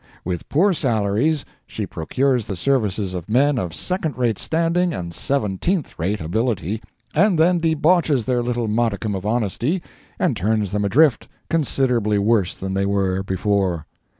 With poor salaries, she procures the services of men of second rate standing and seventeenth rate ability, and then debauches their little modicum of honesty, and turns them adrift considerably worse than they were before.